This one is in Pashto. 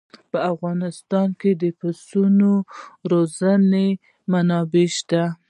په افغانستان کې د پسونو د روزنې منابع شته.